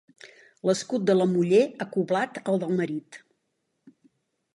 L'escut de la muller acoblat al del marit.